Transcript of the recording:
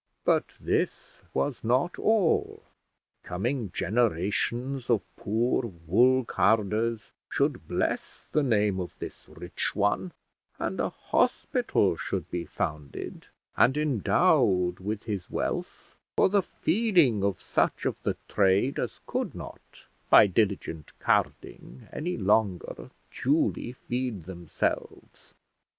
But this was not all: coming generations of poor wool carders should bless the name of this rich one; and a hospital should be founded and endowed with his wealth for the feeding of such of the trade as could not, by diligent carding, any longer duly feed themselves.